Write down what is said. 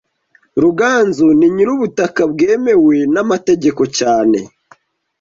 Ruganzu ni nyir'ubutaka bwemewe n'amategeko cyane